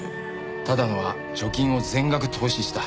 多田野は貯金を全額投資した。